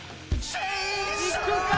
いくか。